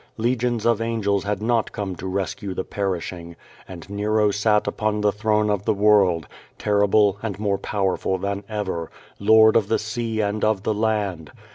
Legions of angels had not come to rescue the perishing, and Nero sat upon the throne of the world, terrible and more powerful than ever. Lord of the sea and of the land.